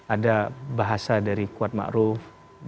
ada bahasa dari kuat ma'ruf